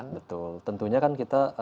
betul tentunya kan kita